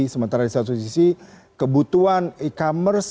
sementara di satu sisi kebutuhan e commerce